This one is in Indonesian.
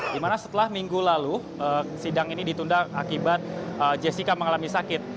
dimana setelah minggu lalu sidang ini ditunda akibat jessica mengalami sakit